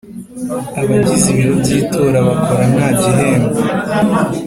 Abagize ibiro by’itora bakora nta gihembo